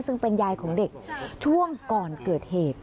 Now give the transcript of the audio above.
ซึ่งเป็นยายของเด็กช่วงก่อนเกิดเหตุ